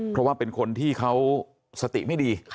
เพราะว่าเป็นคนที่เขาสติไม่ดี